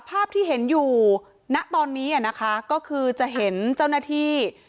ภาพที่เห็นอยู่ณตอนนี้นะคะก็คือจะเห็นเจ้าหน้าที่